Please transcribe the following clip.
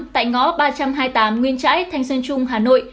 tại ngõ ba trăm hai mươi tám nguyên trãi thanh sơn trung hà nội